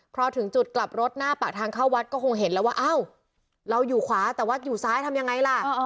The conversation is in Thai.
พอถึงจุดกลับรถหน้าปากทางเข้าวัดก็คงเห็นแล้วว่าอ้าวเราอยู่ขวาแต่วัดอยู่ซ้ายทำยังไงล่ะ